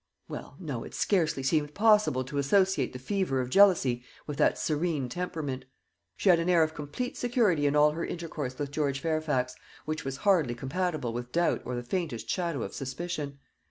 Well, no, it scarcely seemed possible to associate the fever of jealousy with that serene temperament. She had an air of complete security in all her intercourse with George Fairfax, which was hardly compatible with doubt or the faintest shadow of suspicion.